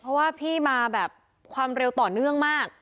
เพราะว่าพี่มาแบบความเร็วต่อเนื่องมาก